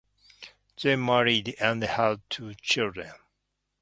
They married and had two children.